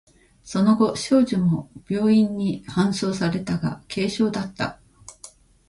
その後、少女も病院に搬送されたが、軽傷だった。